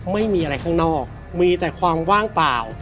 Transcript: ไม่มีอะไรข้างนอกมีแต่ความว่างเปล่า